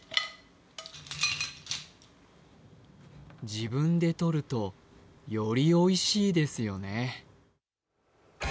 自分でとるとよりおいしいですよね。